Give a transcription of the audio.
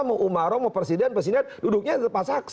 mu umarom mu presiden presiden duduknya di depan saksi